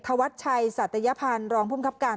ถวัดชัยศัตยภัณฑ์รองภุมครับการ